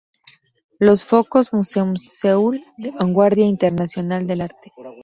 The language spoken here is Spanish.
Los focos Museum Seoul "de vanguardia e internacional del arte.